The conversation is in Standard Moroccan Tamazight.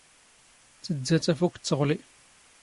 ⵜⴷⴷⴰ ⵜⴰⴼⵓⴽⵜ ⵜⵖⵍⵉ.